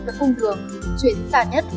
với cung đường chuyển xa nhất